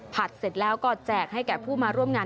เสร็จแล้วก็แจกให้แก่ผู้มาร่วมงาน